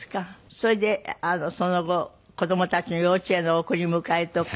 それでその後子どもたちの幼稚園の送り迎えとか。